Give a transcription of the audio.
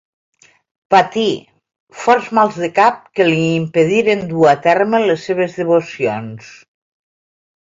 Patí forts mals de cap que li impediren dur a terme les seves devocions.